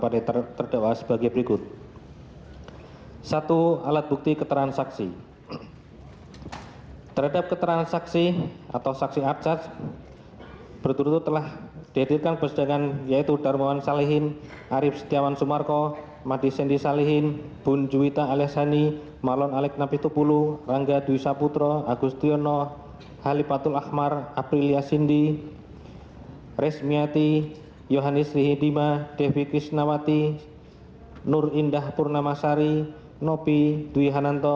dan terdakwa dihadapkan keberadaan dengan dakwaan sebagai berikut tidak perlu kami bacakan